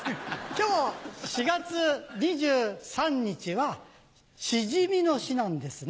今日４月２３日は「シジミの日」なんですね。